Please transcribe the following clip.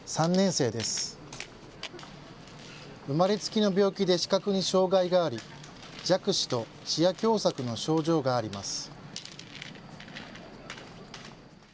生まれつきの病気で視覚に障害があり弱視と視野狭さくの症状があります。